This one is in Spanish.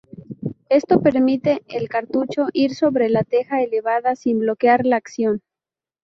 Esto permite al cartucho ir sobre la teja elevadora sin bloquear la acción.